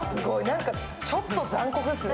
ちょっと残酷ですよね。